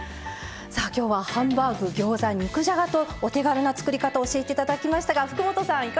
さあきょうはハンバーグギョーザ肉じゃがとお手軽な作り方を教えていただきましたが福本さん